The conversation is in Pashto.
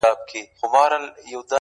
o اصل خطا نلري، کم اصل وفا نه لري!